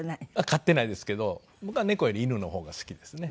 飼ってないですけど僕は猫より犬の方が好きですね。